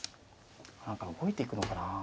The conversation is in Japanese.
何か動いていくのかな。